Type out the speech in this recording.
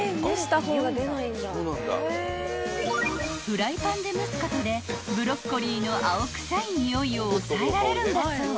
［フライパンで蒸すことでブロッコリーの青臭いにおいを抑えられるんだそう］